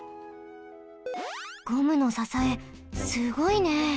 ゴムのささえすごいね！